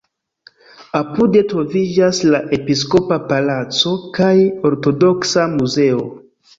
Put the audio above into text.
Apude troviĝas la episkopa palaco kaj ortodoksa muzeo.